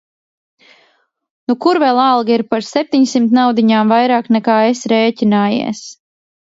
Nu kur vēl alga ir par septiņsimt naudiņām vairāk nekā esi rēķinājies.